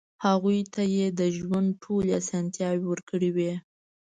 هغوی ته يې د ژوند ټولې اسانتیاوې ورکړې وې.